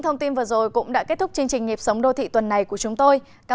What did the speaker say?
hãy đăng ký kênh để ủng hộ kênh của chúng tôi nhé